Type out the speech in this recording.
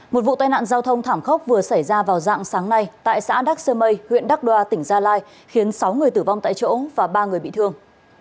một vụ tai nạn giao thông thảm khốc vừa xảy ra vào dạng sáng nay tại xã đắc sơ mây huyện đắc đoa tỉnh gia lai khiến sáu người tử vong tại chỗ và ba người bị thương